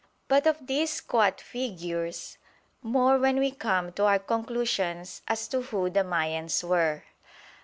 But of these squat figures, more when we come to our conclusions as to who the Mayans were.